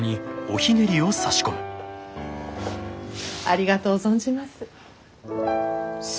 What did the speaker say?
ありがとう存じます。